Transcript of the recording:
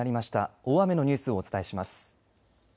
大雨のニュースをお伝えします。